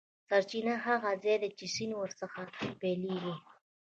سرچینه هغه ځاي دی چې سیند ور څخه پیل کیږي.